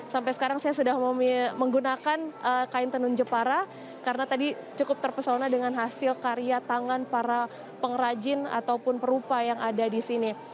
sampai sekarang saya sudah menggunakan kain tenun jepara karena tadi cukup terpesona dengan hasil karya tangan para pengrajin ataupun perupa yang ada di sini